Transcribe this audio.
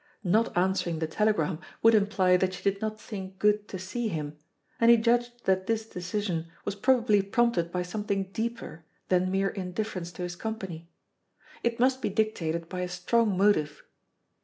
Not answering the telegram would imply that she did not think good to see him, and he judged that this decision was probably prompted by something deeper than mere indifference to his company. It must be dictated by a strong motive.